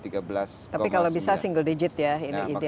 tapi kalau bisa single digit ya ini ideal